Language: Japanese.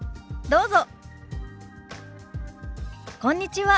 どうぞ。